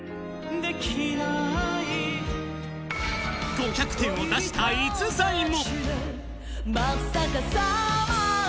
５００点を出した逸材も。